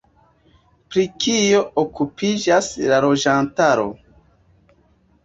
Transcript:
Pri kio okupiĝas la loĝantaro?